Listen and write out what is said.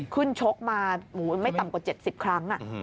ชกมาไม่ต่ำกว่า๗๐ครั้ง